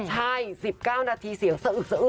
ใช่๑๙นาทีเสียงสะอึด